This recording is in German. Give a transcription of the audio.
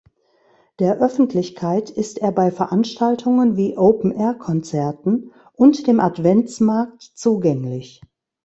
Der Öffentlichkeit ist er bei Veranstaltungen wie Open-Air-Konzerten oder dem Adventsmarkt zugänglich.